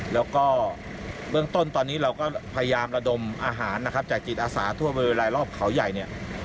แล้วก็เบื้องต้นตอนนี้เราก็พยายามระดมอาหารนะครับจากจิตอาสาทั่วบริเวณรอบเขาใหญ่เนี่ย